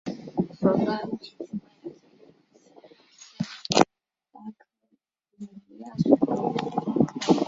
索夫拉多是西班牙加利西亚自治区拉科鲁尼亚省的一个市镇。